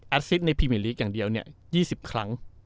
แอดซิตในพิเมริกอย่างเดียวเนี่ย๒๐ครั้ง